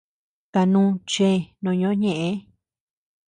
Kanu chëe no ñoʼö ñeʼë.